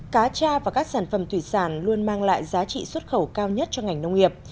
cá cha và các sản phẩm thủy sản luôn mang lại giá trị xuất khẩu cao nhất cho ngành nông nghiệp